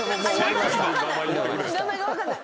名前が分かんない！